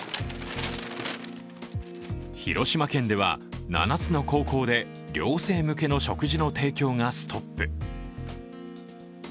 広島県では７つの高校で寮生向けの食事の提供がストップ。